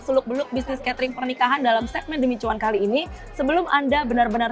seluk beluk bisnis catering pernikahan dalam segmen demi cuan kali ini sebelum anda benar benar